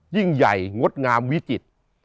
ยิ่งใหญ่งดงามวิจิตร